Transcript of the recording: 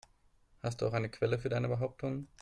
Hast du auch eine Quelle für deine Behauptungen?